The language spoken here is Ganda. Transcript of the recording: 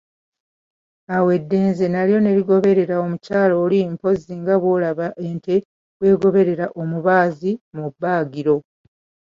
Awo eddenzi nalyo ne ligoberera omukyala oli mpozzi nga bw'olaba ente ng'egoberera omubaazi mu bbaagiro!